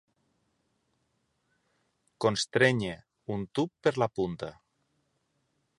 Constrènyer un tub per la punta.